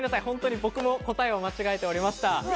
本当に僕も答えを間違えておりました。